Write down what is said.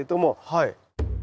はい。